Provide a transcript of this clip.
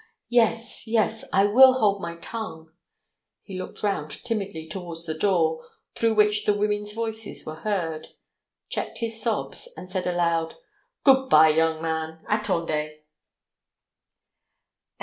Yes, yes, I will hold my tongue!" He looked round timidly towards the door, through which the women's voices were heard, checked his sobs, and said aloud: "Good bye, young man! Attendez."